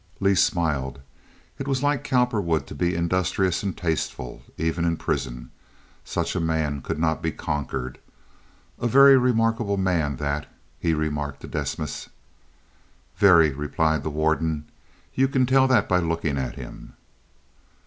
Leigh smiled. It was like Cowperwood to be industrious and tasteful, even in prison. Such a man could not be conquered. "A very remarkable man, that," he remarked to Desmas. "Very," replied the warden. "You can tell that by looking at him."